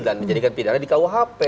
dan menjadikan pidana di kuhp